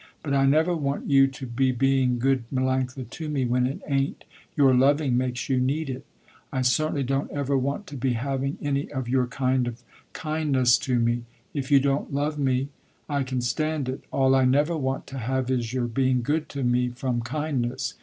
But I never want you to be being good Melanctha to me, when it ain't your loving makes you need it. I certainly don't ever want to be having any of your kind of kindness to me. If you don't love me, I can stand it. All I never want to have is your being good to me from kindness.